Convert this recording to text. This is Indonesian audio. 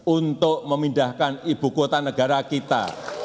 untuk memindahkan ibu kota negara kita